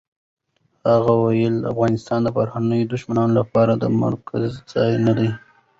هغه ویلي، افغانستان د بهرنیو دښمنانو لپاره د مرکز ځای نه دی.